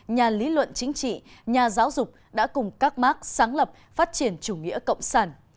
nhà lý luận chính trị nhà giáo dục đã cùng các mark sáng lập phát triển chủ nghĩa cộng sản